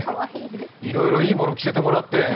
いろいろ、いいもの着せてもらって。